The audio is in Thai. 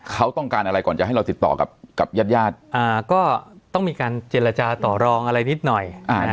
เขาต้องการอะไรก่อนจะให้เราติดต่อกับญาติญาติก็ต้องมีการเจรจาต่อรองอะไรนิดหน่อย